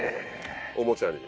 おもちゃに。